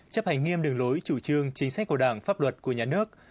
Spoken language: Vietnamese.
chấp hành nghiêm đường lối chủ trương chính sách của đảng pháp luật của nhà nước